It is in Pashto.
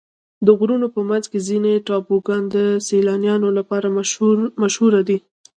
د غرونو منځ کې ځینې ټاپوګان د سیلانیانو لپاره مشهوره دي.